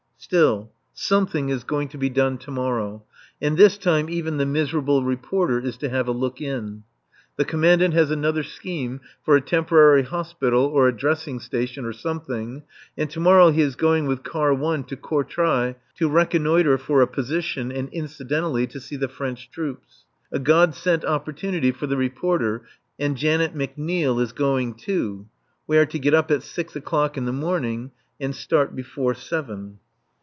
Still, something is going to be done to morrow, and this time, even the miserable Reporter is to have a look in. The Commandant has another scheme for a temporary hospital or a dressing station or something, and to morrow he is going with Car 1 to Courtrai to reconnoitre for a position and incidentally to see the French troops. A God sent opportunity for the Reporter; and Janet McNeil is going, too. We are to get up at six o'clock in the morning and start before seven.